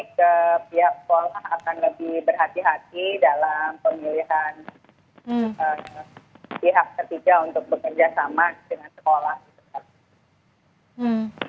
sehingga pihak sekolah akan lebih berhati hati dalam pemilihan pihak ketiga untuk bekerja sama dengan sekolah